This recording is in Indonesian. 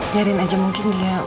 jarin aja mungkin dia